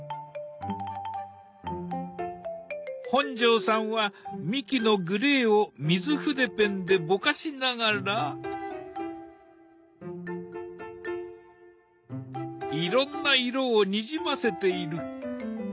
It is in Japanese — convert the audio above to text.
本上さんは幹のグレーを水筆ペンでぼかしながらいろんな色をにじませている。